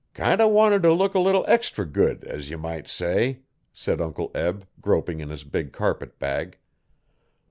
'Kind o' wanted to look a leetle extry good, as ye might say,' said Uncle Eb, groping in his big carpet bag.